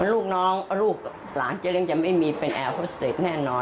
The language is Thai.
ลูกน้องลูกหลานเจ๊เลี้ยจะไม่มีเป็นแอร์โฮสเตจแน่นอน